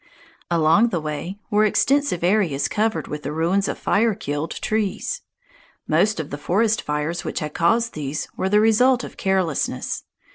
Along the way were extensive areas covered with the ruins of fire killed trees. Most of the forest fires which had caused these were the result of carelessness.